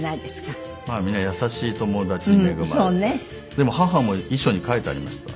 でも母も遺書に書いてありました。